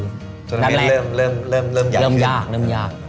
นัดแรกเริ่มยากดินกันอเจมส์เริ่มยาก